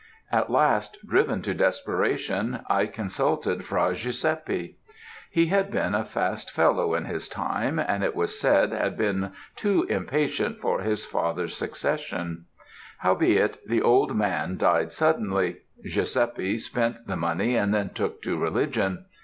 At last, driven to desperation, I consulted Fra Guiseppe. He had been a fast fellow in his time, and it was said had been too impatient for his father's succession; howbeit, the old man died suddenly; Guiseppe spent the money and then took to religion.